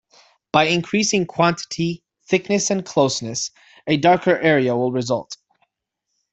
By increasing quantity, thickness and closeness, a darker area will result.